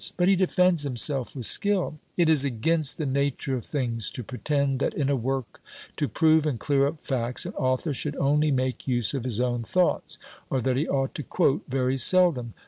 but he defends himself with skill: "It is against the nature of things to pretend that in a work to prove and clear up facts, an author should only make use of his own thoughts, or that he ought to quote very seldom.